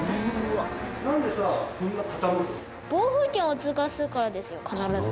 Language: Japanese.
暴風圏を通過するからですよ必ず。